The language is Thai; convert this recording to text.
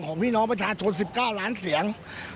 พี่น้องประชาชน๑๙ล้านเสียง